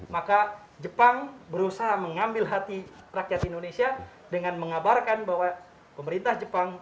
maka jepang berusaha mengambil hati rakyat indonesia dengan mengabarkan bahwa pemerintah jepang